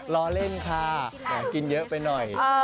ล้อเล่นค่ะกินเยอะไปหน่อย